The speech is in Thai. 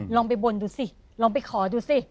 ลองไปบนดูสิลองไปขอดูสิ